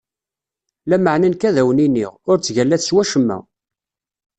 Lameɛna, nekk ad wen-iniɣ: ur ttgallat s wacemma.